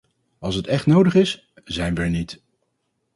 Als het echt nodig is, zijn we er niet.